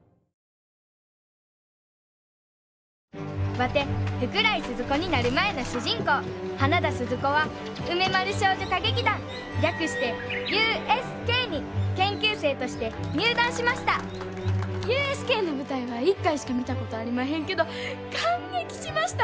ワテ福来スズ子になる前の主人公花田鈴子は梅丸少女歌劇団略してＵＳＫに研究生として入団しましたＵＳＫの舞台は１回しか見たことありまへんけど感激しました！